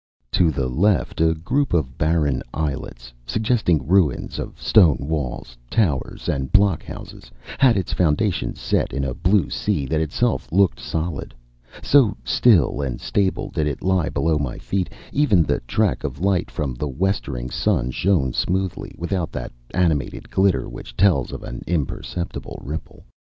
To the left a group of barren islets, suggesting ruins of stone walls, towers, and blockhouses, had its foundations set in a blue sea that itself looked solid, so still and stable did it lie below my feet; even the track of light from the westering sun shone smoothly, without that animated glitter which tells of an imperceptible ripple.